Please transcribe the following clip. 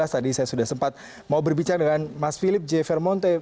tadi saya sudah sempat mau berbicara dengan mas philip j vermonte